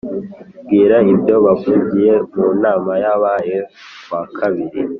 Bwira ibyo bavugiye mu nama yabaye kuwa kabiri